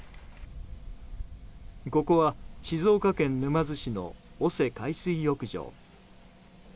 ここは静岡県沼津市の大瀬海水浴場。